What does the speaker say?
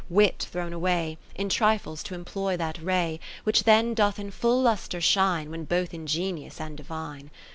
Wit thrown away, In trifles to employ that ray, 50 Which then doth in full lustre shine When both ingenious and divine.